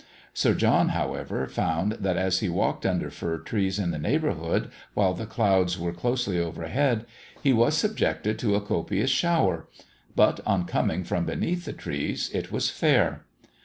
Sir John, however, found that as he walked under fir trees in the neighbourhood, while the clouds were closely overhead, he was subjected to a copious shower; but on coming from beneath the trees it was fair.